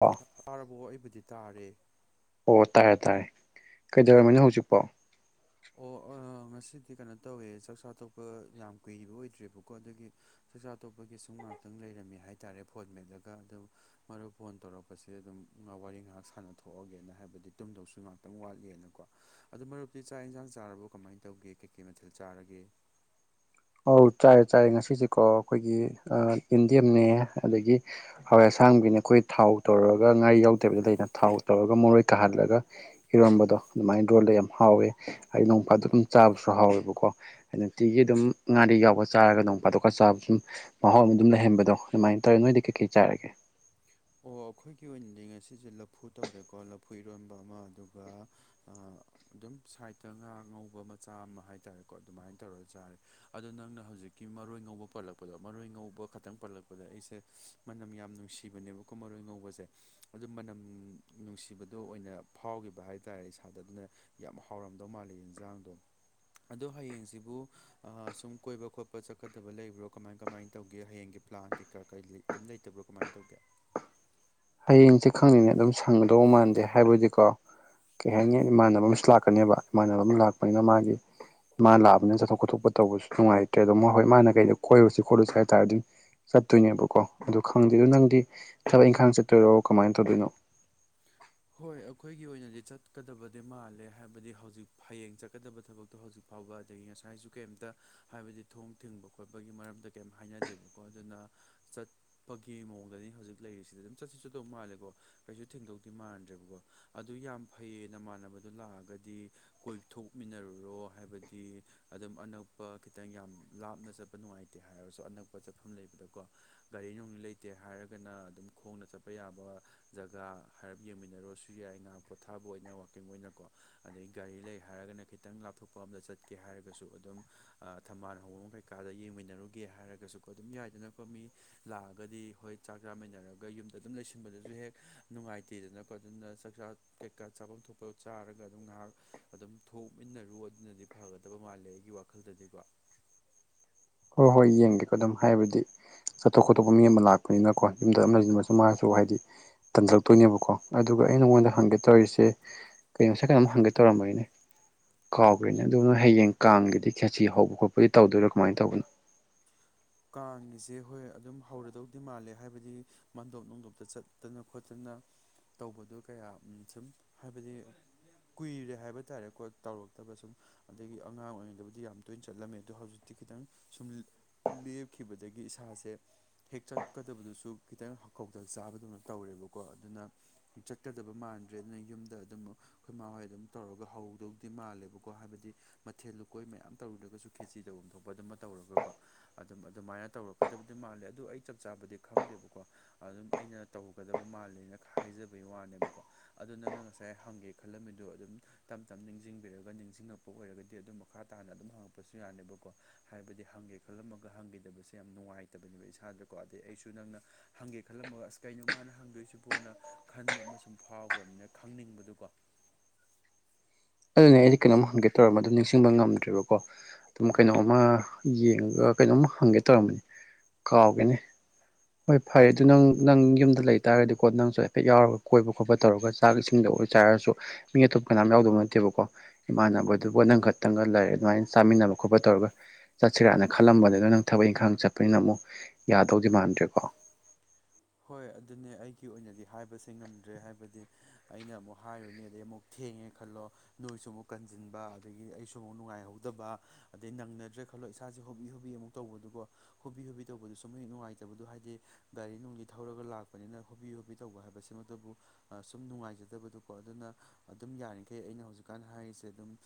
ꯑꯣ ꯇꯥꯔꯕ ꯑꯣꯏꯕꯨꯗꯤ ꯇꯥꯔꯦ ꯑꯣ ꯇꯥꯔꯦ ꯇꯥꯔꯦ ꯀꯩꯗꯧꯔꯝꯃꯤꯅꯣ ꯍꯧꯖꯤꯛꯄꫭ ꯑꯣ ꯑ ꯉꯁꯤꯗꯤ ꯀꯩꯅꯣ ꯇꯧꯋꯦ ꯆꯥꯛ ꯆꯥꯇꫭꯛꯄ ꯌꯥꯝ ꯀꯨꯏꯕ ꯑꯣꯏꯗ꯭ꯔꯦꯕꯀꯣ ꯑꯗꯨꯒꯤ ꯆꯥꯛꯆꯥꯥꯇꯣꯞꯄꯒꯤ ꯁꯨꯝ ꯉꯥꯛꯇꯪ ꯂꯩꯔꯝꯃꯤ ꯍꯥꯏꯇꯥꯔꯦ ꯐꯣꯟꯃꯦꯗꯒ ꯑꯗꯨ ꯃꯔꯨꯞ ꯐꯣꯟ ꯇꯧꯔꯛꯄꯁꯦ ꯑꯗꯨꯝ ꯉ ꯋꯥꯔꯤ ꯉꯥꯏꯍꯥꯛ ꯁꯥꯟꯅꯊꯣꯛꯑꯒꯦꯅ ꯍꯥꯏꯕꯗꯤ ꯇꯨꯝꯗꯧꯁꯨ ꯉꯥꯛꯇꯪ ꯋꯥꯠꯂꯤꯅꯀꯣ ꯑꯗꯨ ꯃꯔꯨꯞꯇꯤ ꯆꯥꯛ ꯌꯦꯟꯁꯥꯡ ꯆꯥꯔꯕꯣ ꯀꯃꯥꯏꯅ ꯇꯧꯒꯦ ꯀꯩꯀꯩ ꯃꯊꯦꯜ ꯆꯥꯔꯒꯦ ꯑꯧ ꯆꯥꯏꯔꯦ ꯆꯥꯏꯔꯦ ꯉꯁꯤꯁꯦꯀꯣ ꯑꯩꯈꯣꯏꯒꯤ ꯏꯟꯗꯤꯌꯦꯝꯅꯦ ꯑꯗꯒꯤ ꯍꯋꯥꯏ ꯑꯁꯥꯡꯕꯤꯅꯦ ꯑꯩꯈꯣꯏ ꯊꯥꯎ ꯇꯧꯔꯒ ꯉꯥꯔꯤ ꯌꯥꯎꯗꯕꯗ ꯂꯩꯅ ꯊꯥꯎ ꯇꯧꯔꯒ ꯃꯣꯔꯣꯏ ꯀꯥꯍꯜꯂꯒ ꯏꯔꯣꯟꯕꯗꯣ ꯑꯗꯨꯃꯥꯏꯅ ꯔꯣꯜꯗ ꯌꯥꯝ ꯍꯥꯎꯋꯦ ꯍꯥꯏꯗꯤ ꯅꯣꯡꯄꯥꯇ ꯑꯗꯨꯝ ꯆꯥꯕꯁꯨ ꯍꯥꯎꯋꯦꯕꯀꯣ ꯅꯨꯡꯇꯤꯒꯤ ꯑꯗꯨꯝ ꯉꯥꯔꯤ ꯌꯥꯎꯕ ꯆꯥꯔꯒ ꯅꯣꯡꯄꯥꯇꯣꯛꯀ ꯆꯥꯕ ꯁꯨꯝ ꯃꯍꯥꯎ ꯑꯃ ꯑꯗꯨꯝ ꯂꯩꯍꯟꯕꯗꯣ ꯑꯗꯨꯃꯥꯏꯅ ꯇꯧꯔꯦ ꯅꯣꯏꯗꯤ ꯀꯩꯀꯩ ꯆꯥꯔꯒꯦ ꯑꯣ ꯑꯩꯈꯣꯏꯒꯤ ꯑꯣꯏꯅꯗꯤ ꯉꯁꯤꯁꯦ ꯂꯐꯨ ꯇꯧꯔꯦꯀꯣ ꯂꯐꯨ ꯏꯔꯣꯟꯕ ꯑꯃ ꯑꯗꯨꯒ ꯑꯗꯨꯝ ꯁꯥꯏꯠꯇ ꯉꯥ ꯉꯧꯕ ꯃꯆꯥ ꯑꯃ ꯍꯥꯏꯇꯥꯥꯔꯦꯀꯣ ꯑꯗꯨꯃꯥꯏꯅ ꯇꯧꯔ ꯌꯥꯥꯔꯦ ꯑꯗꯣ ꯅꯪꯅ ꯍꯧꯖꯤꯛꯀꯤ ꯃꯔꯣꯏ ꯉꯧꯕ ꯄꯜꯂꯛꯄꯗꯣ ꯃꯔꯣꯏ ꯉꯧꯕ ꯈꯛꯇꯪ ꯄꯜꯂꯛꯄꯗ ꯑꯩꯁꯦ ꯃꯅꯝ ꯌꯥꯝ ꯅꯨꯡꯁꯤꯕꯅꯦꯕꯀꯣ ꯃꯔꯣꯏ ꯉꯧꯕꯁꯦ ꯑꯗꯨ ꯃꯅꯝ ꯅꯨꯡꯁꯤꯕꯗꯣ ꯑꯣꯏꯅ ꯐꯥꯎꯈꯤꯕ ꯍꯥꯏꯇꯥꯥꯔꯦ ꯏꯁꯥꯗ ꯑꯗꯨꯅ ꯌꯥꯝ ꯍꯥꯎꯔꯝꯗꯧ ꯃꯥꯜꯂꯤ ꯌꯦꯟꯖꯥꯡꯗꯣ ꯑꯗꯣ ꯍꯌꯦꯡꯁꯤꯕꯨ ꯁꯨꯝ ꯀꯣꯏꯕ ꯈꯣꯠꯄ ꯆꯠꯀꯗꯕ ꯂꯩꯕ꯭ꯔꯣ ꯀꯃꯥꯏ ꯀꯃꯥꯏꯅ ꯇꯧꯒꯦ ꯍꯌꯦꯡꯒꯤ ꯄ꯭ꯂꯥꯟ ꯀꯩꯀꯥ ꯀꯔꯤ ꯀꯔꯤꯝ ꯂꯩꯇꯕ꯭ꯔꯣ ꯀꯃꯥꯏꯅ ꯇꯧꯒꯦ ꯍꯌꯦꯡꯁꯦ ꯈꯪꯅꯤꯡꯅꯦ ꯑꯗꯨꯝ ꯁꯪꯒꯗꯧꯕ ꯃꯥꯟꯁꯦ ꯍꯥꯏꯕꯗꯤꯀꯣ ꯀꯩ ꯍꯥꯏꯅꯤ ꯏꯃꯥꯟꯅꯕ ꯑꯃꯁꯨ ꯂꯥꯛꯀꯅꯦꯕ ꯏꯃꯥꯟꯅꯕ ꯑꯃ ꯂꯥꯛꯄꯅꯤꯅ ꯃꯥꯒꯤ ꯃꯥ ꯂꯥꯛꯕꯅꯤ ꯆꯠꯊꯣꯛ ꯈꯣꯇꯄ ꯇꯧꯕꯁꯨ ꯅꯨꯡꯉꯥꯏꯇ꯭ꯔꯦ ꯑꯗꯣ ꯍꯣꯏ ꯃꯥ ꯀꯩꯣ ꯀꯣꯏꯔꯨꯁꯤ ꯈꯣꯠꯂꯨꯁꯤ ꯍꯥꯏ ꯇꯥꯔꯗꯤ ꯆꯠꯇꯣꯏꯅꯦꯕꯀꯣ ꯑꯗꯨꯣ ꯈꯪꯗꯦꯗꯣ ꯅꯪꯗꯤ ꯊꯕꯛ ꯏꯪꯈꯥꯡ ꯆꯠꯇꯣꯏꯔꯣ ꯀꯃꯥꯏꯅ ꯇꯧꯗꯣꯏꯅꯣ ꯍꯣꯏ ꯑꯩꯈꯣꯏꯒꯤ ꯑꯣꯏꯅꯗꯤ ꯆꯠꯀꯗꯕꯗꯤ ꯃꯥꯜꯂꯦ ꯍꯥꯏꯕꯗꯤ ꯍꯧꯖꯤꯛ ꯍꯌꯦꯡ ꯆꯠꯀꯗꯕ ꯊꯕꯛ ꯑꯣ ꯍꯧꯖꯤꯛ ꯐꯥꯎꯕ ꯑꯗꯒꯤ ꯉꯁꯥꯏꯁꯨ ꯀꯩꯝꯇ ꯍꯥꯏꯕꯗꯤ ꯊꯣꯡ ꯊꯤꯡꯕ ꯈꯣꯠꯄꯒꯤ ꯃꯔꯝꯗ ꯀꯩꯝꯇ ꯍꯥꯏꯅꯗꯦꯕ ꯀꯣ ꯑꯗꯨꯅ ꯆꯠꯄꯒꯤ ꯃꯑꯣꯡꯗꯅꯤ ꯍꯧꯖꯤꯛ ꯂꯩꯔꯤꯁꯤꯗ ꯑꯗꯨꯝ ꯆꯠꯁꯤ ꯆꯠꯇꯧ ꯃꯥꯜꯂꯦꯀꯣ ꯀꯩꯁꯨ ꯊꯦꯡꯗꯧꯇꯤ ꯃꯥꯜꯂꯅꯤ ꯀꯣ ꯑꯗꯨ ꯌꯥꯝ ꯐꯩꯌꯦꯅ ꯃꯥꯟꯅꯕꯗꯨ ꯂꯥꯛꯑꯒꯗꯤ ꯀꯣꯏꯊꯣꯛꯃꯤꯟꯅꯔꯨꯔꯣ ꯍꯥꯏꯕꯗꯤ ꯑꯗꯨꯝ ꯑꯅꯛꯄ ꯈꯤꯇꯪ ꯌꯥꯝ ꯂꯥꯞꯅ ꯆꯠꯄ ꯅꯨꯡꯉꯥꯏꯇꯦ ꯍꯥꯏꯔꯁꯨ ꯑꯅꯛꯄ ꯆꯠꯐꯝ ꯂꯩꯕꯗꯀꯣ ꯒꯥꯔꯤ ꯅꯨꯡꯂꯤ ꯂꯩꯇꯦ ꯍꯥꯏꯔꯒꯅ ꯑꯗꯨꯝ ꯈꯣꯡꯅ ꯆꯠꯄ ꯌꯥꯕ ꯖꯒꯥ ꯍꯥꯏ ꯌꯦꯡꯃꯤꯟꯅꯔꯁꯨ ꯌꯥꯏ ꯉꯥꯏꯍꯥꯛ ꯄꯣꯊꯥꯕ ꯑꯣꯏꯅ ꯋꯥꯛꯀꯤꯡ ꯑꯣꯏꯅꯀꯣ ꯑꯗꯗꯒꯤ ꯒꯥꯔꯤ ꯂꯩ ꯍꯥꯏꯔꯒꯅ ꯈꯤꯇꯪ ꯂꯥꯞꯊꯣꯛꯄ ꯑꯃꯝꯗ ꯆꯠꯀꯦ ꯍꯥꯏꯔꯒꯁꯨ ꯑꯗꯨꯝ ꯊꯝꯕꯥꯜ ꯍꯧꯕ ꯃꯈꯩ ꯀꯀꯥꯗ ꯌꯦꯡꯃꯤꯟꯅꯔꯨꯒꯦ ꯍꯥꯏꯔꯒꯁꯨꯀꯣ ꯑꯗꯨꯝ ꯌꯥꯏꯗꯅꯀꯣ ꯃꯤ ꯂꯥꯛꯑꯒꯗꯤ ꯍꯣꯏ ꯆꯥꯛ ꯆꯥꯃꯤꯟꯅꯔꯒ ꯌꯨꯝꯗ ꯑꯗꯨꯝ ꯂꯩꯁꯤꯟꯕꯗꯁꯨ ꯍꯦꯛ ꯅꯨꯡꯉꯥꯏꯇ ꯊꯤꯗꯅꯀꯣ ꯑꯗꯨꯅ ꯆꯥꯛꯆꯥ ꯀꯩꯀꯥ ꯆꯥꯐꯝ ꯊꯣꯛꯄ ꯆꯥꯔꯒ ꯑꯗꯨꯝ ꯉꯥꯏꯍꯥꯛ ꯑꯗꯨꯝ ꯊꯣꯛꯃꯤꯟꯅꯔꯨ ꯑꯗꯨꯅꯗꯤ ꯐꯒꯗꯕ ꯃꯥꯜꯂꯦ ꯑꯩꯒꯤ ꯋꯥꯈꯜꯗꯗꯤꯀꯣ ꯍꯣꯏ ꯍꯣꯏ ꯌꯦꯡꯒꯦꯀꯣ ꯑꯗꯨꯝ ꯍꯥꯏꯕꯗꯤ ꯆꯠꯊꯣꯛ ꯈꯣꯠꯇꯄ ꯃꯤ ꯑꯃ ꯂꯥꯛꯄꯅꯤꯅꯀꯣ ꯌꯨꯝꯗ ꯑꯃ ꯂꯩꯁꯤꯟꯕꯁꯨ ꯃꯥꯁꯨ ꯍꯥꯏꯗꯤ ꯇꯟꯖꯔꯛꯇꯣꯏꯅꯦꯕꯀꯣ ꯑꯗꯨꯒ ꯑꯩ ꯅꯉꯣꯟꯗ ꯍꯪꯒꯦ ꯇꯧꯔꯤꯁꯦ ꯀꯩꯅꯣꯁꯥꯏ ꯀꯩꯅꯣꯝ ꯍꯪꯒꯦ ꯇꯧꯔꯝꯕꯒꯤꯅꯦ ꯀꯥꯎꯈ꯭ꯔꯦꯅꯦ ꯑꯗꯨꯗꯣ ꯅꯣꯏ ꯍꯌꯦꯡ ꯀꯥꯡꯒꯗꯤ ꯈꯦꯁꯤ ꯍꯧꯕ ꯈꯣꯠꯄꯗꯤ ꯇꯧꯗꯣꯏꯔꯣ ꯀꯃꯥꯏꯅ ꯇꯧꯕꯅꯣ ꯀꯥꯡꯒꯤꯁꯦ ꯍꯣꯏ ꯑꯗꯨꯝ ꯍꯧꯔꯗꯧꯗꯤ ꯃꯥꯜꯂꯦ ꯍꯥꯏꯕꯗꯤ ꯃꯥꯟꯗꯣꯞ ꯅꯨꯡꯗꯣꯞꯇ ꯆꯠꯇꯅ ꯈꯣꯠꯇꯅ ꯇꯧꯕꯗꯣ ꯀꯌꯥ ꯁꯨꯝ ꯍꯥꯏꯕꯗꯤ ꯀꯨꯏꯔꯦ ꯍꯥꯏꯕ ꯇꯥꯔꯦꯀꯣ ꯇꯧꯔꯛꯇꯕ ꯁꯨꯝ ꯑꯗꯒꯤ ꯑꯉꯥꯡ ꯑꯣꯏꯔꯤꯉꯩꯗꯕꯨꯗꯤ ꯌꯥꯝ ꯇꯣꯏꯅ ꯆꯠꯂꯝꯃꯦ ꯑꯗꯣ ꯍꯧꯖꯤꯛꯇꯤ ꯈꯤꯇꯪ ꯁꯨꯝ ꯂꯦꯞꯈꯤꯕꯗꯒꯤ ꯏꯁꯥꯁꯦ ꯍꯦꯛ ꯆꯠꯀꯗꯕꯗꯨꯁꯨ ꯈꯤꯇꯪꯈꯧꯗ ꯆꯥꯕꯗꯨꯅ ꯇꯧꯔꯦꯕꯀꯣ ꯑꯗꯨꯅ ꯆꯠꯀꯗꯕ ꯃꯥꯟꯗ꯭ꯔꯦ ꯑꯗꯨꯅ ꯌꯨꯝꯗ ꯑꯗꯨꯝ ꯑꯩꯈꯣꯏ ꯃꯥ ꯍꯣꯏ ꯑꯗꯨꯝ ꯇꯧꯔꯒ ꯍꯧꯍꯧꯗꯧꯗꯤ ꯃꯥꯜꯂꯦꯕꯀꯣ ꯍꯥꯏꯕꯗꯤ ꯃꯊꯦꯜ ꯂꯨꯀꯣꯏ ꯃꯌꯥꯝ ꯇꯧꯔꯨꯔꯒꯁꯨ ꯈꯦꯆꯤ ꯇꯧꯐꯝ ꯊꯣꯛꯄ ꯑꯗꯨꯃ ꯇꯧꯔꯒꯀꯣ ꯑꯗꯨꯝ ꯑꯗꯨꯃꯥꯏꯅ ꯇꯧꯔꯛꯀꯗꯕꯗꯤ ꯃꯥꯜꯂꯦ ꯑꯗꯨ ꯑꯩ ꯆꯞ ꯆꯥꯕꯗꯤ ꯈꯪꯗꯦꯕꯀꯣ ꯑꯗꯨꯝ ꯑꯩꯅ ꯇꯧꯒꯗꯕ ꯃꯥꯜꯂꯦꯅ ꯍꯥꯏꯖꯕꯩ ꯋꯥꯅꯦꯕꯀꯣ ꯑꯗ ꯅꯪꯅ ꯉꯁꯥꯏ ꯍꯪꯒꯦ ꯈꯜꯂꯝꯃꯤꯗꯣ ꯑꯗꯨꯝ ꯇꯞ ꯇꯞ ꯅꯤꯡꯁꯤꯡꯕꯤꯔꯒ ꯅꯤꯡꯁꯤꯡꯉꯛꯄ ꯑꯣꯏꯔꯒꯗꯤ ꯑꯗꯨꯝ ꯃꯈꯥ ꯇꯥꯅ ꯑꯗꯨꯝ ꯍꯪꯉꯛꯄꯁꯨ ꯌꯥꯅꯦꯕꯀꯣ ꯍꯥꯏꯕꯗꯤ ꯍꯪꯒꯦ ꯈꯜꯂꯝꯕ ꯒ ꯍꯪꯈꯤꯗꯕꯁꯦ ꯌꯥꯝꯅ ꯅꯨꯡꯉꯥꯏꯇꯕꯅꯦꯕ ꯏꯁꯥꯗꯀꯣ ꯑꯗꯩ ꯑꯩꯁꯨ ꯅꯪꯅ ꯍꯪꯒꯦ ꯈꯜꯂꯝꯃꯒ ꯑ ꯀꯩꯅꯣ ꯃꯥꯅ ꯍꯪꯗꯣꯏꯁꯤꯕꯣꯟꯅ ꯈꯟꯕ ꯑꯃ ꯁꯨꯝ ꯐꯥꯎꯈ꯭ꯔꯕꯅꯤꯅ ꯈꯪꯅꯤꯡꯕꯗꯨꯀꯣ ꯅ ꯑꯩꯗꯤ ꯀꯩꯅꯣꯝ ꯍꯪꯒꯦ ꯇꯧꯔꯝ ꯃꯗꯨ ꯅꯤꯡꯁꯤꯡꯕ ꯉꯝꯗ꯭ꯔꯤꯕꯀꯣ ꯑꯗꯨꯝ ꯀꯩꯅꯣꯝꯃ ꯌꯦꯡꯉꯒ ꯀꯩꯅꯣꯝꯃ ꯍꯪꯒꯦ ꯇꯧꯔꯝꯕꯅꯤ ꯀꯥꯎꯒꯦꯅꯦ ꯍꯣꯏ ꯐꯔꯦ ꯑꯗꯨꯣ ꯅꯪ ꯅꯪ ꯌꯨꯝꯗ ꯂꯩꯇꯥꯥꯔꯒꯗꯤꯀꯣ ꯅꯪꯁꯨ ꯍꯥꯏꯐꯦꯠ ꯌꯥꯎꯔꯒ ꯀꯣꯏꯕ ꯈꯣꯠꯄ ꯇꯧꯔꯒ ꯆꯥꯛ ꯏꯁꯤꯡꯗ ꯑꯣꯏ ꯆꯥꯏꯔꯁꯨ ꯃꯤ ꯑꯇꯣꯞ ꯀꯅꯥꯝ ꯌꯥꯎꯗꯕ ꯅꯠꯇꯦꯕꯀꯣ ꯏꯃꯥꯟꯅꯕꯗꯨꯕꯨ ꯅꯪꯈ ꯇꯪꯒ ꯂꯩꯥꯏꯔꯦ ꯑꯗꯨꯃꯥꯏꯅ ꯆꯥꯃꯤꯟꯅꯕ ꯈꯣꯠꯄ ꯇꯧꯔꯒ ꯆꯠꯁꯤꯔꯥꯅ ꯈꯜꯂꯝꯕꯅꯤꯅ ꯅꯪ ꯊꯕꯛ ꯏꯪꯈꯥꯡ ꯆꯠꯄꯅꯤꯅ ꯑꯃꯨꯛ ꯌꯥꯗꯧꯗꯤ ꯃꯥꯟꯗ꯭ꯔꯦꯀꯣ ꯍꯣꯏ ꯑꯗꯨꯅꯦ ꯑꯩꯒꯤ ꯑꯣꯏꯅꯗꯤ ꯍꯥꯏꯕꯁꯦ ꯉꯝꯗ꯭ꯔꯦ ꯍꯥꯏꯕꯗꯤ ꯑꯩꯅ ꯑꯃꯨꯛ ꯍꯥꯏꯔꯨꯅꯦ ꯑꯗꯩ ꯑꯃꯨꯛ ꯊꯦꯡꯉꯦ ꯈꯜꯂꯣ ꯅꯣꯏꯁꯨ ꯑꯃꯨꯛ ꯀꯟꯁꯤꯟꯕ ꯑꯗꯒꯤ ꯑꯩꯁꯨ ꯑꯃꯨꯛ ꯅꯨꯡꯉꯥꯏꯍꯧꯗꯕ ꯑꯗꯩ ꯅꯪꯅꯗ꯭ꯔꯦ ꯈꯜꯂꯣ ꯏꯁꯥꯁꯦ ꯍꯣꯕꯤ ꯍꯣꯕꯤ ꯑꯃꯨꯛ ꯇꯧꯕꯗꯨꯀꯣ ꯍꯨꯕꯤ ꯍꯨꯕꯤ ꯇꯧꯕꯗꯨꯁꯨꯨꯝ ꯍꯦꯛ ꯅꯨꯡꯉꯥꯏꯇꯗꯗꯨ ꯍꯥꯏꯗꯤ ꯒꯥꯔꯤ ꯅꯨꯡꯂꯤ ꯊꯧꯔꯒ ꯂꯥꯛꯄꯅꯤꯅ ꯍꯣꯕꯤ ꯍꯣꯕꯤ ꯇꯧꯕ ꯍꯥꯏꯕꯁꯤꯃꯛꯇꯕꯨ ꯁꯨꯝ ꯅꯨꯡꯉꯥꯏꯖꯗꯕꯗꯨꯀꯣ ꯑꯗꯨꯅ ꯑꯗꯨꯝ ꯌꯥꯔꯤꯈꯩ ꯑꯩꯅ ꯍꯧꯖꯤꯛꯀꯥꯟ ꯍꯥꯏꯔꯤꯁꯦ ꯑꯗꯨꯝ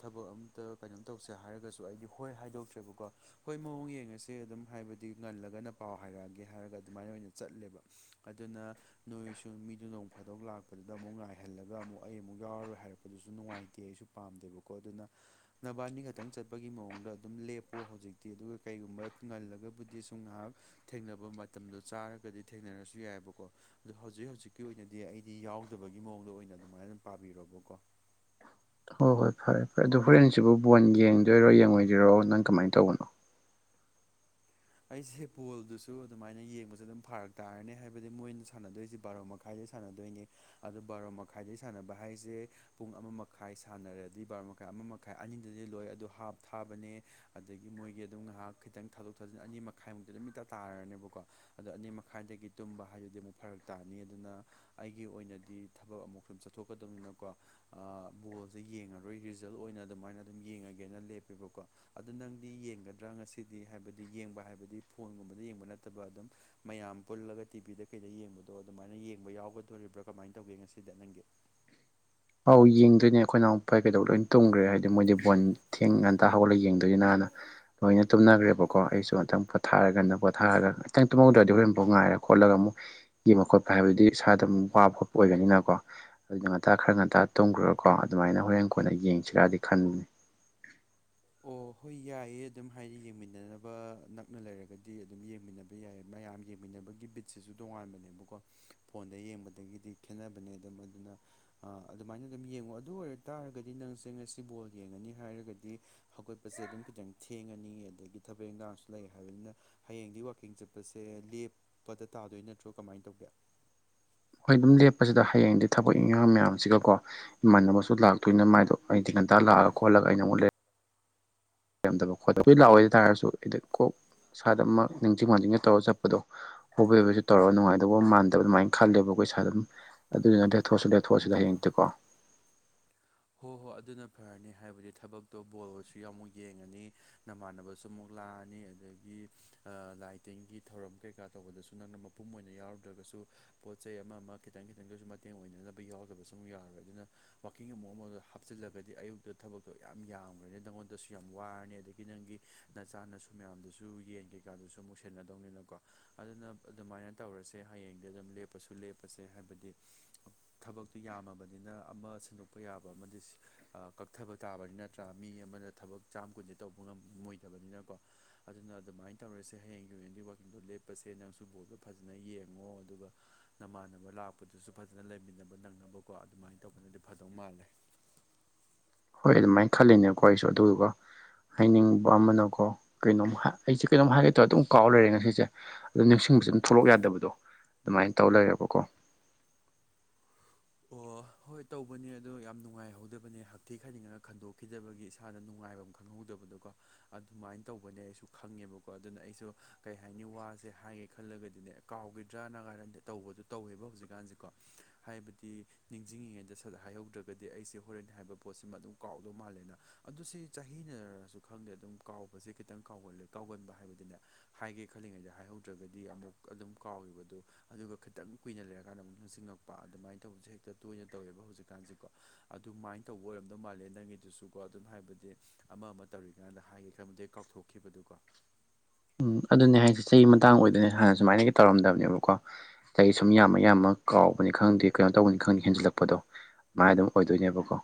ꯊꯕꯛ ꯑꯝꯇ ꯀꯩꯅꯣꯝ ꯇꯧꯁꯦ ꯍꯥꯏꯔꯒꯁꯨ ꯑꯩꯗꯤ ꯍꯣꯏ ꯍꯥꯏꯗꯣꯛꯇ꯭ꯔꯦꯕꯀꯣ ꯍꯣꯏ ꯃꯑꯣꯡ ꯌꯦꯡꯉꯁꯤ ꯑꯗꯨꯝ ꯍꯥꯏꯕꯗꯤ ꯉꯜꯂꯒꯅ ꯄꯥꯎ ꯍꯥꯏꯔꯛꯑꯒꯦ ꯍꯥꯏꯔꯒ ꯑꯗꯨꯃꯥꯏꯅ ꯑꯣꯏꯅ ꯆꯠꯂꯦꯕ ꯑꯗꯨꯅ ꯅꯣꯏꯁꯨ ꯃꯤꯗꯨ ꯅꯣꯡ ꯐꯥꯗꯧ ꯂꯥꯛꯄꯗꯨꯗ ꯑꯃꯨꯛ ꯉꯥꯏꯍꯜꯂꯒ ꯑꯃꯨꯛ ꯑꯩ ꯑꯃꯨꯛ ꯌꯥꯎꯔꯣꯏ ꯍꯥꯏꯔꯛꯄꯗꯨꯁꯨ ꯅꯨꯡꯉꯥꯏꯇꯦ ꯇꯤ ꯑꯩꯁꯨ ꯄꯥꯝꯗꯦꯕꯀꯣ ꯑꯗꯨꯅ ꯅꯕꯥꯅꯤ ꯈꯛꯇꯪ ꯆꯠꯄꯒꯤ ꯃꯑꯣꯡꯗ ꯑꯗꯨꯝ ꯂꯦꯞꯄꯣ ꯍꯧꯖꯤꯛꯇꯤ ꯑꯗꯨꯒ ꯀꯩꯒꯨꯝꯕ ꯉꯜꯂꯒꯕꯨꯗꯤ ꯁꯨꯝ ꯉꯥꯏꯍꯥꯛ ꯊꯦꯡꯅꯕ ꯃꯇꯝꯗꯣ ꯆꯥꯔꯒꯗꯤ ꯊꯦꯡꯅꯔꯁꯨ ꯌꯥꯏꯑꯕꯀꯣ ꯑꯗ ꯍꯧꯖꯤꯛ ꯍꯧꯖꯤꯛꯀꯤ ꯑꯣꯏꯅꯗꯤ ꯑꯩꯗꯤ ꯌꯥꯎꯗꯕꯒꯤ ꯃꯑꯣꯡꯗ ꯑꯣꯏꯅ ꯑꯗꯨꯃꯥꯏꯅ ꯑꯗꯨ ꯄꯥꯕꯤꯔꯣꯕꯀꯣ ꯍꯣꯏ ꯍꯣꯏ ꯐꯔꯦ ꯐꯔꯦ ꯑꯗꯨꯗꯣ ꯍꯣꯔꯦꯟꯁꯤꯕꯨ ꯕꯣꯟ ꯌꯦꯡꯗꯣꯏꯔꯣ ꯌꯦꯡꯉꯣꯏꯗꯣꯏꯔꯣ ꯅꯪ ꯀꯃꯥꯏꯅ ꯇꯧꯕꯅꯣ ꯑꯩꯁꯦ ꯕꯣꯜꯗꯨꯁꯨ ꯑꯗꯨꯃꯥꯏꯅ ꯌꯦꯡꯕꯁ ꯑꯗꯨꯝ ꯐꯔꯛ ꯇꯥꯔꯅꯤ ꯍꯥꯏꯕꯗꯤ ꯃꯣꯏꯅ ꯁꯥꯟꯅꯗꯣꯏꯁꯦ ꯕꯥꯔꯣ ꯃꯈꯥ ꯃꯈꯥꯏꯗꯩ ꯁꯥꯟꯅꯗꯣꯏꯅꯦ ꯑꯗꯨ ꯕꯥꯔꯣ ꯃꯈꯥꯏꯗꯩ ꯁꯥꯟꯅꯕ ꯍꯥꯏꯁꯦ ꯄꯨꯡ ꯑꯃ ꯃꯈꯥꯏ ꯁꯥꯟꯅꯔꯗꯤ ꯕꯥꯔꯣ ꯃꯈꯥꯏ ꯑꯃ ꯃꯈꯥꯏ ꯑꯅꯤꯗꯗꯤ ꯂꯣꯏ ꯑꯗꯨ ꯍꯥꯞ ꯊꯥꯕꯅꯦ ꯑꯗꯒꯤ ꯃꯣꯏꯒꯤ ꯑꯗꯨꯝ ꯉꯥꯏꯍꯥꯛ ꯈꯤꯇꯪ ꯊꯥꯗꯣꯛ ꯊꯥꯖꯤꯟ ꯑꯅꯤ ꯃꯈꯥꯏꯃꯨꯛꯇꯤ ꯑꯗꯨꯃꯤꯠꯇ ꯇꯥꯔꯅꯦꯕꯀꯣ ꯑꯗ ꯑꯅꯤ ꯃꯈꯥꯏꯗꯒꯤ ꯇꯨꯝꯕ ꯍꯥꯏꯗꯨꯗꯤ ꯑꯃꯨꯛ ꯐꯔꯛ ꯇꯥꯅꯤ ꯑꯗꯨꯅ ꯑꯩꯒꯤ ꯑꯣꯏꯅꯗꯤ ꯊꯕꯛ ꯑꯃꯨꯛ ꯁꯨꯝ ꯆꯠꯊꯣꯛꯀꯗꯕꯅꯤꯅꯀꯣ ꯕꯣꯜꯁꯦ ꯌꯦꯡꯉꯔꯣꯏ ꯔꯤꯖꯜ ꯑꯣꯏꯅ ꯑꯗꯨꯃꯥꯏꯅ ꯑꯗꯨꯝ ꯌꯦꯡꯉꯒꯦꯅ ꯂꯦꯞꯄꯦꯕꯀꯣ ꯑꯗꯨ ꯅꯪꯗꯤ ꯌꯦꯡꯒꯗ꯭ꯔꯥ ꯉꯁꯤꯗꯤ ꯍꯥꯏꯕꯗꯤ ꯌꯦꯡꯕ ꯍꯥꯏꯕꯗꯤ ꯐꯣꯟꯒꯨꯝꯕꯗ ꯌꯦꯡꯕ ꯅꯠꯇꯕ ꯑꯗꯨꯝ ꯃꯌꯥꯝ ꯄꯨꯜꯂꯒ ꯇꯤꯚꯤꯗ ꯀꯩꯗ ꯌꯦꯡꯕꯗꯣ ꯑꯗꯨꯃꯥꯏꯅ ꯌꯦꯡꯕ ꯌꯥꯎꯒꯗꯣꯔꯤꯕ꯭ꯔꯥ ꯀꯃꯥꯏꯅ ꯇꯧꯒꯦ ꯉꯁꯤꯗ ꯅꯪꯒꯤ ꯑꯧ ꯌꯦꯡꯗꯣꯏꯅꯦ ꯑꯩꯈꯣꯏ ꯅꯍꯎꯄꯥ ꯀꯩꯗꯧꯕ ꯂꯣꯏ ꯇꯧꯈ꯭ꯔꯦ ꯍꯥꯏꯗꯤ ꯃꯣꯏꯗꯤ ꯕꯣꯟ ꯊꯦꯡ ꯉꯥꯛꯇ ꯍꯧꯒꯠꯂꯒ ꯌꯦꯡꯗꯣꯏꯅꯤꯅ ꯍꯥꯟꯅ ꯂꯣꯏꯅ ꯇꯨꯝꯅꯈ꯭ꯔꯦꯕꯀꯣ ꯑꯩꯁꯨ ꯑꯃꯨꯇꯪ ꯄꯣꯊꯥꯔꯒꯅ ꯄꯣꯊꯥꯔꯒ ꯈꯤꯇꯪ ꯇꯨꯝꯍꯧꯗ꯭ꯔꯗꯤ ꯍꯣꯔ ꯑꯃꯨꯐꯥꯎ ꯉꯥꯏꯔ ꯈꯣꯠꯂꯒ ꯑꯃꯨꯛ ꯌꯦꯡꯕ ꯈꯣꯠꯄ ꯍꯥꯏꯕꯗꯨꯗꯤ ꯏꯁꯥꯗ ꯑꯗꯨ ꯋꯥꯕ ꯈꯣꯠꯄ ꯑꯣꯏꯒꯅꯤꯅꯀꯣ ꯑꯗꯨꯅ ꯉꯥꯛꯇ ꯈꯔ ꯉꯇ ꯑꯇꯥ ꯇꯣꯡꯈ꯭ꯔꯨꯔꯀꯣ ꯑꯗꯨꯃꯥꯏꯅ ꯍꯣꯔꯦꯟ ꯀꯣꯟꯅ ꯌꯦꯡꯁꯤꯔꯗꯤ ꯈꯟꯕꯅꯦ ꯑꯣ ꯍꯣꯏ ꯌꯥꯏꯌꯦ ꯑꯗꯨꯝ ꯍꯥꯏꯗꯤ ꯌꯦꯡꯃꯤꯟꯅꯅꯕ ꯅꯛꯅ ꯂꯩꯔꯒꯗꯤ ꯑꯗꯨꯝ ꯌꯦꯡꯃꯤꯟꯅꯕ ꯌꯥꯏ ꯃꯌꯥꯝ ꯌꯦꯡꯃꯤꯟꯅꯕꯒꯤ ꯕꯤꯠꯁꯤꯁꯨ ꯇꯣꯉꯥꯟꯕꯅꯦꯕꯀꯣ ꯐꯣꯟꯗ ꯌꯦꯡꯕꯗꯒꯤꯗꯤ ꯈꯦꯠꯅꯕꯅꯦ ꯑꯗꯨꯝ ꯃꯗꯨꯅ ꯑꯗꯨꯃꯥꯏꯅ ꯑꯗꯨꯝ ꯌꯦꯡꯉꯣ ꯑꯗꯨ ꯑꯣꯏꯔ ꯇꯥꯔꯒꯗꯤ ꯅꯪꯁꯦ ꯉꯁꯤ ꯕꯣꯜ ꯌꯦꯡꯉꯅꯤ ꯍꯥꯏꯔꯒꯗꯤ ꯍꯧꯒꯠꯄꯁꯦ ꯑꯗꯨꯝ ꯈꯤꯇꯪ ꯊꯦꯡꯉꯅꯤ ꯑꯗꯒꯤ ꯊꯕꯛ ꯏꯟꯈꯥꯡꯁꯨ ꯂꯩ ꯍꯥꯏꯕꯅꯤꯅ ꯍꯌꯦꯡꯗꯤ ꯋꯀꯤꯡ ꯆꯠꯄꯁꯦ ꯂꯦꯞꯄꯗ ꯇꯥꯗꯣꯏ ꯅꯠꯇ꯭ꯔꯣ ꯀꯃꯥꯏꯅ ꯇꯧꯒꯦ ꯍꯣꯏ ꯑꯗꯨꯝ ꯂꯦꯞꯄꯁꯤꯗ ꯍꯌꯦꯡꯗꯤ ꯊꯕꯛ ꯏꯪꯈꯥꯡ ꯃꯌꯥꯝꯁꯤꯒꯀꯣ ꯃꯃꯟ ꯑꯃꯁꯨ ꯂꯥꯛꯇꯣꯏꯅ ꯃ ꯃꯥꯗꯣ ꯑꯩ ꯇꯤꯤꯟ ꯉꯟꯇꯥ ꯂꯑꯒ ꯈꯣꯠꯂ ꯑꯩꯅ ꯑꯃꯨꯛ ꯂꯩꯔ ꯗꯕ ꯈꯣꯠꯇꯕ ꯂꯥꯛꯑꯣꯏꯗ ꯇꯥꯔꯁꯨ ꯀꯣꯛ ꯏꯁꯥꯗꯃꯛ ꯅꯤꯡꯁꯤꯡ ꯍꯥꯡꯁꯤꯡꯒ ꯇꯧꯔꯒ ꯆꯠꯄꯗꯣ ꯍꯣꯕꯣꯏ ꯍꯕꯁꯨ ꯇꯧꯔꯒ ꯅꯨꯡꯉꯥꯏꯇꯕꯧꯕ ꯃꯥꯟꯗꯕ ꯑꯗꯨꯃꯥꯏꯅ ꯈꯜꯂꯦꯕ ꯑꯩꯈꯣꯏ ꯏꯁꯥ ꯑꯗꯨꯝ ꯑꯗꯨꯗꯨꯅ ꯂꯦꯊꯣꯁꯨ ꯂꯦꯊꯣꯔꯣꯁꯤꯗ ꯍꯌꯦꯡꯛꯇꯦꯀꯣ ꯍꯣ ꯍꯣꯏ ꯑꯗꯨꯅ ꯐꯔꯅꯤ ꯍꯥꯏꯕꯗꯤ ꯊꯕꯛꯇꯣ ꯕꯣꯔꯜꯁꯨ ꯌꯥꯝ ꯑꯃꯨꯛ ꯌꯦꯡꯉꯅꯤ ꯅꯃꯥꯟꯅꯕ ꯁꯨ ꯑꯃꯨꯛ ꯂꯥꯛꯑꯅꯤ ꯑꯗꯒꯤ ꯂꯥꯏ ꯇꯤꯟꯒꯤ ꯊꯧꯔꯝ ꯀꯩꯀꯥ ꯇꯧꯕꯗꯁꯨ ꯅꯪꯅ ꯃꯄꯨꯝ ꯑꯣꯏꯅ ꯌꯥꯎꯔꯨꯗ꯭ꯔꯒꯁꯨ ꯄꯣꯠ ꯆꯩ ꯑꯃ ꯑꯃ ꯈꯤꯇꯪ ꯈꯤꯇꯪꯗꯁꯨ ꯃꯇꯦꯡ ꯑꯣꯏꯅꯅꯕ ꯌꯥꯎꯗꯕ ꯁꯨꯝ ꯌꯥꯔꯣꯏ ꯑꯗꯨꯅ ꯋꯥꯋꯀꯤꯡ ꯑꯃ ꯃꯉꯣꯟꯗ ꯍꯥꯞꯆꯤꯜꯂꯒꯗꯤ ꯑꯌꯨꯛꯇ ꯊꯕꯛꯇꯣ ꯌꯥꯝ ꯌꯥꯝꯈ꯭ꯔꯅꯤ ꯅꯪꯉꯣꯟꯗꯁꯨ ꯌꯥꯝ ꯋꯥꯔꯅꯤ ꯑꯗꯒꯤ ꯅꯪꯒꯤ ꯅꯆꯥꯥꯟꯅꯁꯨ ꯃꯌꯥꯝꯗꯨꯁꯨ ꯌꯦꯟ ꯀꯩꯀꯥꯗꯨꯁꯨ ꯑꯃꯨꯛ ꯁꯟꯒꯗꯧꯅꯤꯅꯀꯣ ꯑꯗꯨꯅ ꯑꯗꯨꯃꯥꯏꯅ ꯇꯧꯔꯁꯦ ꯍꯌꯦꯡꯗꯤ ꯑꯗꯨꯝ ꯂꯦꯞꯄꯁꯨ ꯂꯦꯞꯄꯁꯦ ꯍꯥꯏꯕꯗꯤ ꯊꯕꯛꯇꯨ ꯌꯥꯝꯃꯕꯅꯤꯅ ꯑꯃ ꯁꯤꯟꯗꯣꯛ ꯀꯛꯄ ꯌꯥꯕ ꯑꯃꯗꯤ ꯀꯛꯊꯕ ꯇꯥꯕꯅꯤ ꯅꯠꯇ꯭ꯔꯥ ꯃꯤ ꯑꯃꯅ ꯊꯕꯛ ꯆꯥꯝ ꯀꯨꯟꯗꯤ ꯇꯧꯕ ꯉꯝ ꯃꯣꯏ ꯆꯕꯅꯤꯅꯀꯣ ꯑꯗꯨꯅ ꯑꯗꯨꯃꯥꯏꯅ ꯇꯧꯔꯁꯦ ꯍꯌꯦꯡꯒꯤ ꯑꯣꯏꯅꯗꯤ ꯋꯥꯛꯀꯤꯡꯗꯣ ꯂꯦꯞꯄꯁꯦ ꯅꯪꯁꯨ ꯕꯣꯜꯗꯣ ꯐꯖꯅ ꯌꯦꯡꯉꯣ ꯑꯗꯨꯒ ꯅꯃꯥꯟꯅꯕ ꯂꯥꯛꯄꯗꯨꯁꯨ ꯐꯖꯅ ꯂꯩꯃꯤꯟꯅꯕ ꯅꯪꯅꯕꯀꯣ ꯑꯗꯨꯃꯥꯏꯅ ꯇꯧꯕꯅꯗꯤ ꯐꯗꯧ ꯃꯥꯜꯂꯦ ꯍꯣꯏ ꯑꯗꯨꯃꯥꯏꯅ ꯈꯜꯂꯤꯅꯦꯀꯣ ꯑꯩꯁꯨ ꯑꯗꯨꯗꯨꯒ ꯍꯥꯏꯅꯤꯡꯕ ꯑꯃꯅꯀꯣ ꯀꯩꯅꯣꯝ ꯑꯩꯁꯦ ꯀꯩꯅꯣꯝ ꯍꯥꯏꯒꯦꯇꯧꯔ ꯑꯗꯨꯝ ꯀꯥꯎ ꯂꯩꯔꯦ ꯉꯁꯤꯁꯦ ꯑꯗꯨ ꯅꯤꯡꯁꯤꯡꯕꯁꯦ ꯑꯗꯨꯝ ꯊꯣꯛꯂꯛ ꯌꯥꯗꯕꯗꯣ ꯑꯗꯨꯃꯥꯏꯅ ꯇꯧ ꯂꯩꯔꯦꯕꯀꯣ ꯑꯣ ꯍꯣꯏ ꯇꯧꯕꯅꯦ ꯑꯗꯣ ꯌꯥꯝ ꯅꯨꯡꯉꯥꯏꯍꯧꯗꯕꯅꯦ ꯍꯛꯊꯤ ꯈꯥꯏꯅꯤꯡꯉꯒ ꯈꯟꯗꯣꯛꯈꯤꯗꯕꯒꯤ ꯏꯁꯥꯗ ꯅꯨꯡꯉꯥꯏꯕꯝ ꯈꯪ ꯈꯪꯍꯧꯗꯕꯗꯣꯀꯣ ꯑꯗꯨꯃꯥꯏꯅ ꯇꯧꯕꯅꯦ ꯑꯩꯁꯨ ꯈꯪꯉꯦꯕꯀꯣ ꯑꯗꯨꯅ ꯑꯩꯁꯨ ꯀꯩ ꯍꯥꯏꯅꯤ ꯋꯥꯁꯦ ꯍꯥꯏꯒꯦ ꯈꯜꯂꯒꯗꯤꯅꯦ ꯀꯥꯎꯒꯤꯗ꯭ꯔꯥꯅ ꯀꯥꯏꯅꯗꯤ ꯇꯧꯕꯗꯣ ꯇꯧꯋꯦꯕ ꯍꯧꯖꯤꯛꯀꯥꯟꯁꯦꯀꯣ ꯍꯥꯏꯕꯗꯤ ꯇꯤ ꯅꯤꯡꯖꯤꯡꯉꯤꯉꯩꯗ ꯁꯠ ꯍꯥꯏꯍꯧꯗ꯭ꯔꯒꯗꯤ ꯑꯩꯁꯦ ꯍꯣꯔꯦꯟ ꯍꯥꯏꯕ ꯄꯣꯠꯁꯤꯃꯥ ꯑꯗꯨꯝ ꯀꯥꯎꯗꯧ ꯃꯥꯜꯂꯦꯅ ꯑꯗꯨ ꯁꯤ ꯆꯍꯤꯅꯔꯁꯨ ꯈꯪꯗꯦ ꯑꯗꯨꯝ ꯀꯥꯎꯕꯁꯦ ꯈꯤꯇꯪ ꯀꯥꯎꯒꯂꯦ ꯀꯥꯎꯒꯟꯕ ꯍꯥꯏꯕꯗꯤꯅꯦ ꯍꯥꯏꯒꯦ ꯈꯜꯂꯤꯉꯩꯗ ꯍꯥꯏꯍꯧꯗ꯭ꯔꯒꯗꯤ ꯑꯃꯨꯛ ꯑꯗꯨꯝ ꯀꯥꯎꯒꯤꯕꯗꯣ ꯑꯗꯨꯒ ꯈꯤꯇꯪ ꯀꯨꯏꯅ ꯂꯩꯔꯀꯥꯟꯗ ꯑꯃꯨꯛ ꯅꯤꯡꯁꯤꯡꯉꯛꯄ ꯑꯗꯨꯃꯥꯏ ꯇꯧꯕꯁꯦ ꯍꯦꯛꯇ ꯇꯣꯏꯅ ꯇꯧꯋꯦꯕ ꯍꯧꯖꯤꯛꯀꯥꯟꯁꯦꯀꯣ ꯑꯗꯨꯃꯥꯏꯅ ꯇꯧꯕ ꯑꯣꯏꯔꯝꯗꯧ ꯃꯥꯜꯂꯦ ꯅꯪꯒꯤꯗꯨꯁꯨꯀꯣ ꯑꯗꯨꯝ ꯍꯥꯏꯕꯗꯤ ꯑꯃ ꯑꯃ ꯇꯧꯔꯤꯀꯥꯟꯗ ꯍꯥꯏꯒꯦ ꯈꯟꯕꯗꯩ ꯀꯥꯎꯊꯣꯛꯈꯤꯕꯗꯨꯀꯣ ꯎꯝ ꯑꯗꯨꯅꯦ ꯍꯥꯏꯁꯦ ꯆꯍꯤ ꯃꯇꯥꯡ ꯑꯣꯏꯗꯣꯏꯅꯦ ꯍꯥꯟꯅ ꯁꯨꯃꯥꯏꯅꯒ ꯇꯧꯔꯝꯗꯕꯅꯦꯕꯀꯣ ꯆꯍꯤ ꯁꯨꯝ ꯌꯥꯝꯃ ꯌꯥꯝꯃ ꯀꯥꯎꯕꯅꯤ ꯈꯪꯗꯦ ꯀꯩꯅꯣ ꯇꯧꯕꯅꯤ ꯈꯪꯗꯦ ꯍꯦꯟꯖꯜꯂꯛꯄꯗꯣ ꯃꯥꯏ ꯑꯗꯨꯝ ꯑꯣꯏꯗꯣꯏꯅꯦꯕꯀꯣ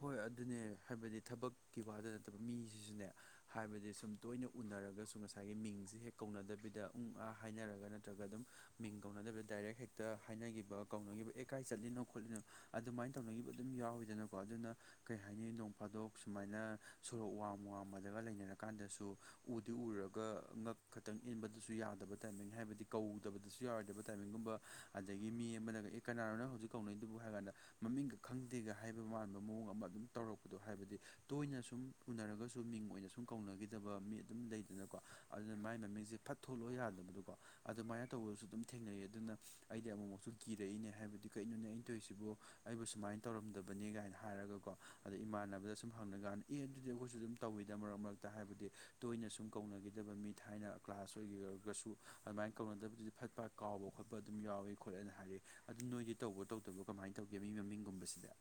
ꯍꯣꯏ ꯑꯗꯨꯅꯦ ꯍꯥꯏꯕꯗꯤ ꯊꯕꯛꯀꯤ ꯋꯥꯗ ꯅꯠꯇꯕ ꯃꯤꯁꯤꯁꯨꯅꯦ ꯍꯥꯏꯕꯗꯤ ꯁꯨꯝ ꯇꯣꯏꯅ ꯎꯅꯔꯒꯁꯨ ꯉꯁꯥꯏꯒꯤ ꯃꯤꯡꯁꯦ ꯍꯦꯛ ꯀꯧꯅꯗꯕꯤꯗ ꯎꯝ ꯑꯥ ꯍꯥꯏꯅꯔꯒ ꯅꯠꯇ꯭ꯔꯒ ꯑꯗꯨꯝ ꯃꯤꯡ ꯀꯧꯅꯗꯕꯤꯗ ꯗꯥꯏꯔꯦꯛ ꯍꯦꯛꯇ ꯍꯥꯏꯅꯈꯤꯕ ꯀꯧꯅꯈꯤꯕ ꯑꯦ ꯀꯥꯏ ꯆꯠꯂꯤꯅꯣ ꯈꯣꯠꯂꯤꯅꯣ ꯑꯗꯨꯃꯥꯏꯅ ꯇꯧꯅꯈꯤꯕ ꯑꯗꯨꯝ ꯌꯥꯎꯋꯤꯗꯅꯀꯣ ꯑꯗꯨꯅ ꯀꯩ ꯍꯥꯏꯅꯤ ꯅꯣꯡ ꯐꯥꯗꯣꯛ ꯁꯨꯃꯥꯏꯅ ꯁꯣꯔꯣꯛ ꯋꯥꯝ ꯋꯥꯝꯃꯗꯒ ꯂꯩꯅꯔꯀꯥꯟꯗꯁꯨ ꯎꯗꯤ ꯎꯔꯒ ꯉꯛ ꯈꯛꯇꯪ ꯏꯟꯕꯗꯁꯨ ꯌꯥꯗꯕ ꯇꯥꯏꯃꯤꯡ ꯍꯥꯏꯕꯗꯤ ꯀꯧꯗꯕꯗꯁꯨ ꯌꯥꯔꯣꯏꯗꯕ ꯇꯥꯏꯃꯤꯡꯒꯨꯝꯕ ꯑꯗꯒꯤ ꯃꯤ ꯑꯃꯅꯒ ꯑꯦ ꯀꯅꯥꯅꯣꯅ ꯍꯧꯖꯤꯛ ꯀꯧꯅꯩꯗꯨꯕꯨ ꯍꯥꯏꯔ ꯀꯥꯟꯗ ꯃꯃꯤꯡꯒ ꯈꯪꯗꯦꯒ ꯍꯥꯏꯕ ꯗꯨ ꯃꯥꯟꯕ ꯃꯑꯣꯡ ꯑꯃ ꯑꯗꯨꯝ ꯇꯧꯔꯛꯄꯗꯣ ꯍꯥꯏꯕꯗꯤ ꯇꯣꯏꯅ ꯁꯨꯝ ꯎꯅꯔꯒꯁꯨ ꯃꯤꯡ ꯑꯣꯏꯅ ꯁꯨ ꯁꯨꯝ ꯀꯧꯅꯒꯤꯗꯕ ꯃꯤ ꯑꯗꯨꯝ ꯂꯩꯗꯅꯀꯣ ꯑꯗꯨꯅ ꯃꯥꯏ ꯃꯃꯤꯡꯁꯦ ꯐꯠ ꯊꯣꯛꯣꯂꯛꯑꯣ ꯌꯥꯗꯕꯗꯣꯀꯣ ꯑꯗꯨꯃꯥꯏꯅ ꯇꯧꯕꯗꯁꯨ ꯑꯗꯨꯝ ꯊꯦꯡꯅꯩ ꯑꯗꯨꯅ ꯑꯩꯗꯤ ꯑꯃꯨꯛꯃꯨꯛꯁꯨ ꯀꯤꯔꯛꯏꯅꯦ ꯍꯥꯏꯕꯗꯤ ꯀꯩꯅꯣꯅꯦ ꯑꯩꯅ ꯇꯧꯔꯤꯁꯤꯕꯨ ꯑꯩꯕꯨ ꯁꯨꯃꯥꯏ ꯇꯧꯔꯝꯗ ꯕꯅꯦ ꯀꯥꯏꯅ ꯍꯥꯏꯔꯒꯀꯣ ꯑꯗꯣ ꯏꯃꯥꯟꯅꯕꯗ ꯁꯨꯝ ꯍꯪꯅ ꯀꯥꯟꯗ ꯑꯦ ꯑꯗꯨꯗꯤ ꯑꯩꯈꯣꯏꯁꯨ ꯑꯗꯨꯝ ꯇꯧꯋꯤꯗ ꯃꯔꯛ ꯃꯔꯛꯇ ꯍꯥꯏꯕꯗꯤ ꯇꯣꯏꯅ ꯁꯨꯝ ꯀꯧꯅꯈꯤꯗꯕ ꯃꯤ ꯊꯥꯏꯅ ꯀ꯭ꯂꯥꯁ ꯑꯣꯏꯒꯤꯔꯒꯁꯨ ꯑꯗꯨꯃꯥꯏꯅ ꯀꯧꯅꯗꯕꯗꯨ ꯐꯠ ꯐꯥ ꯀꯥꯎꯕ ꯈꯣꯠꯄ ꯑꯗꯨꯝ ꯌꯥꯎꯏ ꯈꯣꯠꯂꯦꯅ ꯍꯥꯏꯔꯛ ꯑꯗꯨ ꯅꯣꯏꯗꯤ ꯇꯧꯕ꯭ꯔꯣ ꯇꯧꯗꯕ꯭ꯔꯣ ꯀꯃꯥꯏꯅ ꯇꯧꯒꯦ ꯃꯤ ꯃꯃꯤꯡꯒꯨꯝꯕꯁꯤꯗꯤ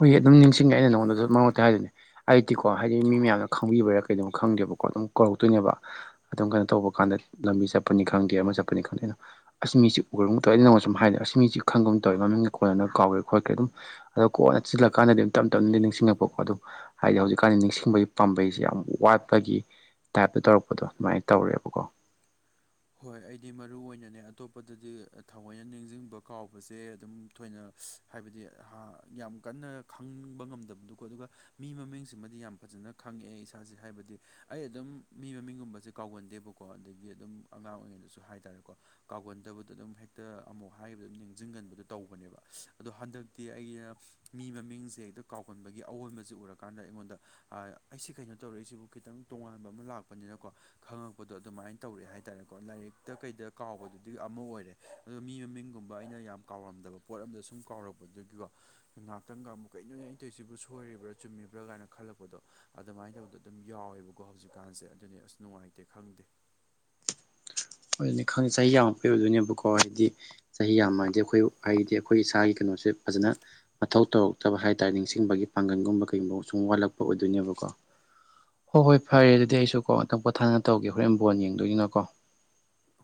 ꯍꯣꯏꯒꯤ ꯑꯗꯨꯝ ꯅꯤꯡꯁꯤꯡꯉꯦ ꯑꯩꯅ ꯅꯉꯣꯟꯗꯁꯨ ꯃꯔꯛ ꯃꯔꯛꯇ ꯍꯥꯏꯗꯨꯏꯗꯤ ꯑꯩꯗꯤꯀꯣ ꯍꯥꯏꯗꯤ ꯃꯤ ꯀꯣ ꯃꯌꯥꯝꯅ ꯍꯥꯏꯗꯤ ꯃꯤ ꯈꯪꯕꯤꯕꯔꯥ ꯀꯩꯅꯣ ꯈꯪꯕꯤꯕ꯭ꯔꯥ ꯈꯪꯗꯦꯕꯀꯣ ꯑꯗꯨꯝ ꯀꯧꯔꯛꯇꯣꯏꯅꯦꯕ ꯑꯗꯨꯝ ꯀꯩꯅꯣ ꯇꯧꯕ ꯀꯥꯟꯗ ꯂꯝꯕꯤ ꯆꯠꯄꯅꯤ ꯈꯪꯗꯦ ꯑꯃ ꯆꯠꯄꯅꯤ ꯈꯪꯗꯦꯗꯨꯝ ꯑꯁꯤꯃꯤꯁꯤ ꯎꯔꯒꯨꯝ ꯇꯧꯋꯏꯗꯤ ꯅꯪꯉꯣꯟ ꯁꯨꯝ ꯍꯥꯏꯅꯦꯕ ꯑꯁꯤ ꯃꯤꯁꯤ ꯈꯪꯕꯨꯝ ꯇꯧꯋꯦ ꯃꯃꯤꯡꯒ ꯀꯣꯟꯅ ꯀꯥꯎꯒꯦ ꯈꯣꯠꯀꯦ ꯑꯗꯨꯝ ꯑꯗꯣ ꯀꯣꯟꯅ ꯆꯤꯜꯂꯛꯀꯥꯟꯗꯗꯤ ꯑꯗꯨ ꯇꯞ ꯇꯞꯅꯗꯤ ꯅꯤꯡꯁꯤꯡꯉꯛꯄꯀꯣ ꯑꯗꯨ ꯍꯥꯏꯗꯤ ꯍꯧꯖꯤꯛꯀꯥꯟꯗꯤ ꯅꯤꯡꯁꯤꯡꯕꯒꯤ ꯄꯥꯝꯕꯩꯁꯤ ꯌꯥꯝ ꯋꯥꯠꯄꯒꯤ ꯇꯥꯏꯞꯇ ꯇꯧꯔꯛꯄꯗꯣ ꯑꯗꯨꯃꯥꯏꯅ ꯇꯧꯔꯦꯕꯀꯣ ꯍꯣꯏ ꯑꯩꯗꯤ ꯃꯔꯨ ꯑꯣꯏꯅꯅꯦ ꯑꯇꯣꯞꯄꯗꯗꯤ ꯊꯑꯣꯏꯅ ꯅꯤꯡꯖꯤꯡꯕ ꯀꯥꯎꯕꯁꯦ ꯑꯗꯨꯝ ꯊꯣꯏꯅ ꯍꯥꯏꯕꯗꯤ ꯍꯥ ꯌꯥꯝ ꯀꯟꯅ ꯈꯪꯕ ꯉꯝꯗꯕꯗꯨꯀꯣ ꯑꯗꯨꯒ ꯃꯤ ꯃꯃꯤꯡꯁꯤꯃꯗꯤ ꯌꯥꯝ ꯐꯖꯅ ꯈꯪꯉꯛꯑꯦ ꯏꯁꯥꯁꯦ ꯍꯥꯏꯕꯗꯤ ꯑꯩ ꯑꯗꯨꯝ ꯃꯤ ꯃꯃꯤꯡꯒꯨꯝꯕꯁꯦ ꯀꯥꯎꯒꯟꯗꯦꯕꯀꯣ ꯑꯗꯒꯤ ꯑꯗꯨꯝ ꯑꯉꯥꯡ ꯑꯣꯏꯔꯤꯉꯩꯗꯁꯨ ꯍꯥꯏꯇꯥꯔꯦꯀꯣ ꯀꯥꯎꯒꯟꯗꯕꯗ ꯑꯗꯨꯝ ꯍꯦꯛꯇ ꯑꯃꯨꯛ ꯍꯥꯏꯕ ꯑꯗꯨꯝ ꯅꯤꯡꯁꯤꯡꯒꯟꯕꯗꯣ ꯇꯧꯕꯅꯦꯕ ꯑꯗꯣ ꯍꯟꯗꯛꯇꯤ ꯑꯩꯒꯤ ꯃꯤ ꯃꯃꯤꯡꯁꯦ ꯍꯦꯛꯇ ꯀꯥꯎꯒꯟꯕꯒꯤ ꯑꯑꯣꯟꯕꯁꯦ ꯎꯔꯀꯥꯟꯗ ꯑꯩꯉꯣꯟꯗ ꯑꯩꯁꯤ ꯀꯩꯅꯣ ꯇꯧꯔꯛꯏꯁꯤꯕꯨ ꯈꯤꯇꯪ ꯇꯣꯉꯥꯟꯕ ꯑꯃ ꯂꯥꯛꯄꯅꯤꯅꯀꯣ ꯈꯪꯉꯛꯄꯗꯣ ꯑꯗꯨꯃꯥꯏꯅ ꯇꯧꯔꯛꯑꯦ ꯍꯥꯏꯇꯥꯔꯦ ꯀꯣ ꯂꯥꯏꯔꯤꯛꯇ ꯀꯩꯗ ꯀꯥꯎꯕꯗꯨꯗꯤ ꯑꯃ ꯑꯣꯏꯔꯦ ꯑꯗꯣ ꯃꯤ ꯃꯃꯤꯡꯒꯨꯝꯕ ꯑꯩꯅ ꯌꯥꯝ ꯀꯥꯎꯔꯝꯗꯕ ꯄꯣꯠ ꯑꯝꯗ ꯁꯨꯝ ꯀꯥꯎꯔꯛꯄꯗꯨꯒꯤꯀꯣ ꯉꯍꯥꯛꯇꯪꯒ ꯑꯃꯨꯛ ꯀꯩꯅꯣꯅꯦ ꯑꯩꯇꯣꯏꯁꯤꯕꯨ ꯁꯣꯏꯔꯤꯕ꯭ꯔꯥ ꯆꯨꯝꯃꯤꯕ꯭ꯔꯥ ꯀꯥꯏꯅ ꯈꯜꯂꯛꯄꯗꯣ ꯑꯗꯨꯃꯥꯏꯅ ꯇꯧꯗ ꯑꯗꯨꯝ ꯌꯥꯎꯋꯦꯕꯀꯣ ꯍꯧꯖꯤꯛꯀꯥꯟꯁꯦ ꯑꯗꯨꯅꯤ ꯑꯁ ꯅꯨꯡꯉꯥꯏꯇꯦ ꯈꯪꯗꯦ ꯑꯗꯨꯅꯤ ꯈꯪꯉꯦ ꯆꯍꯤ ꯌꯥꯝꯃ ꯄꯤꯔꯗꯣꯏꯅꯦꯕꯀꯣ ꯍꯥꯏꯗꯤ ꯆꯍꯤ ꯌꯥꯝꯃꯗꯤ ꯑꯩꯈꯣꯏ ꯍꯥꯏꯗꯤ ꯑꯩꯈꯣꯏ ꯏꯁꯥꯒꯤ ꯀꯩꯅꯣꯁꯦ ꯐꯖꯅ ꯃꯊꯧ ꯇꯧꯔꯛꯇꯕ ꯍꯥꯏꯇꯥꯔꯦ ꯅꯤꯡꯁꯤꯡꯕꯒꯤ ꯄꯥꯡꯒꯜꯒꯨꯝꯕ ꯀꯩꯒꯨꯝꯕ ꯁꯨꯝ ꯋꯥꯠꯂꯛꯄ ꯑꯣꯏꯗꯣꯏꯅꯦꯕꯀꯣ ꯍꯣꯏ ꯍꯣꯏ ꯐꯔꯦ ꯑꯗꯨꯗꯤ ꯑꯩꯁꯨꯀꯣ ꯅꯇꯛ ꯄꯣꯊꯥꯅ ꯇꯧꯒꯦ ꯍꯣꯔꯦꯟ ꯕꯣꯟ ꯌꯦꯡꯗꯣꯏꯅꯤꯅꯀꯣ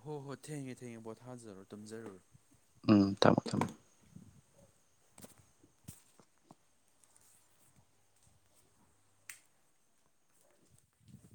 ꯍꯣꯏ ꯍꯣꯏ ꯊꯦꯡꯉꯦ ꯊꯦꯡꯉꯦ ꯄꫭꯠ ꯊꯥꯖꯔꯣ ꯇꯨꯝꯖꯔꯨꯔꫭ ꯎꯝ ꯊꯝꯃꯃꫭ ꯊꯝꯃꫭ